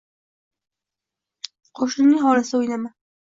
“Qo‘shnining hovlisida o‘ynama.